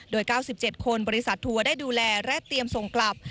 โดย๙๗คนบริษัททัวร์ได้ดูแลและเตรียมส่งกลับ